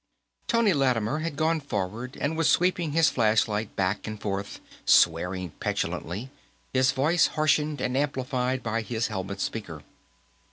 Tony Lattimer had gone forward and was sweeping his flashlight back and forth, swearing petulantly, his voice harshened and amplified by his helmet speaker.